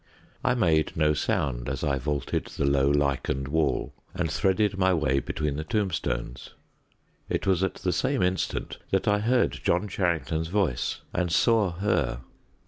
I made no sound as I vaulted the low lichened wall, and threaded my way between the tombstones. It was at the same instant that I heard John Charrington's voice, and saw Her.